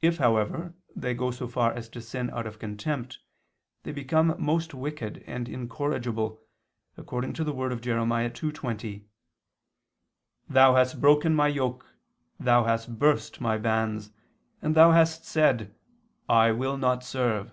If, however, they go so far as to sin out of contempt, they become most wicked and incorrigible, according to the word of Jer. 2:20: "Thou hast broken My yoke, thou hast burst My bands, and thou hast said: 'I will not serve.'